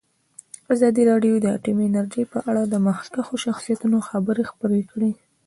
ازادي راډیو د اټومي انرژي په اړه د مخکښو شخصیتونو خبرې خپرې کړي.